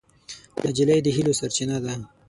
نجلۍ د هیلو سرچینه ده.